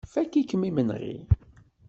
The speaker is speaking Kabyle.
Fakk-ikem imenɣi.